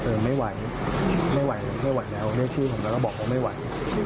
ไม่ไหวไม่ไหวแล้วได้ชื่อผมแล้วก็บอกว่าไม่ไหว